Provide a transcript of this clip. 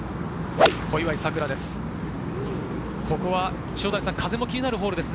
小祝さくらです。